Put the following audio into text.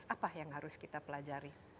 apa yang harus kita pelajari